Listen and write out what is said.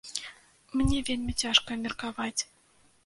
Мне вельмі цяжка меркаваць.